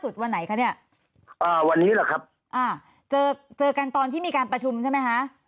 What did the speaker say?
ได้คุย